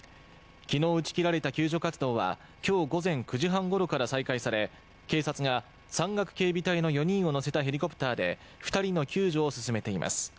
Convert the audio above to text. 昨日、打ち切られた救助活動は今日午前９時半ごろから再開され警察が山岳警備隊の４人を乗せたヘリコプターで２人の救助を進めています。